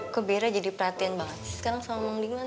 kok bira jadi perhatian banget sih sekarang sama mang diman